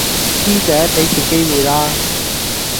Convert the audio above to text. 師姐,畀次機會啦